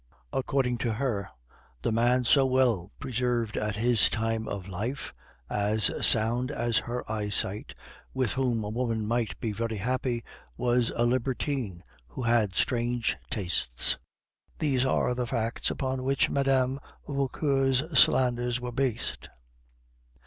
According to her, the man so well preserved at his time of life, as sound as her eyesight, with whom a woman might be very happy, was a libertine who had strange tastes. These are the facts upon which Mme. Vauquer's slanders were based.